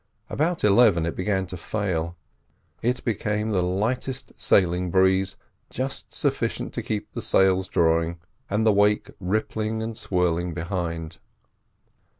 About eleven it began to fail. It became the lightest sailing breeze, just sufficient to keep the sails drawing, and the wake rippling and swirling behind.